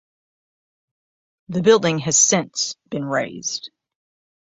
The building has since been razed.